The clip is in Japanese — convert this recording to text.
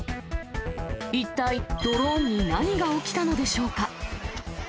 一体ドローンに何が起きたのでしょうか。